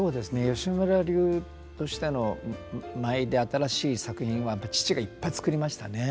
吉村流としての舞で新しい作品は父がいっぱい作りましたね。